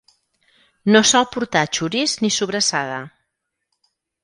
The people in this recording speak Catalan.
No sol portar xoriç ni sobrassada.